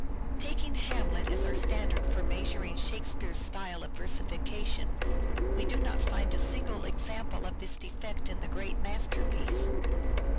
j Taking " Hamlet " as our standard for measuring Shakespeare's style of versification, we do not find a single example of this defect in the great masterpiece.